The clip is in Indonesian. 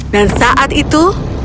dan saat itu